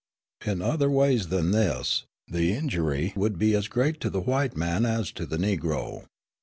In other ways than this the injury would be as great to the white man as to the Negro.